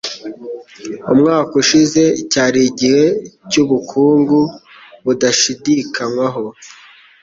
Umwaka ushize cyari igihe cyubukungu budashidikanywaho.